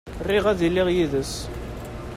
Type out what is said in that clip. Riɣ ad iliɣ yid-s.